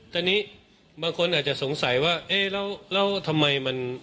ตอนนี้บางคนอาจจะสงสัยว่าเอ๊ะแล้วทำไมมัน